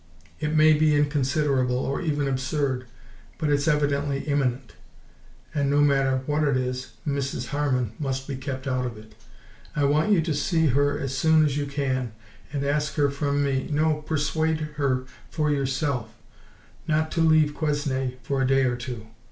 It may be inconsiderable, or even absurd, but it's evidently imminent, and no matter what it is, Mrs. Harman must be kept out of it. I want you to see her as soon as you can and ask her from me no, persuade her yourself not to leave Quesnay for a day or two.